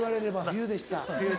冬でした。